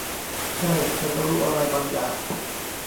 ใช่ ฉันรู้อะไรบางอย่าง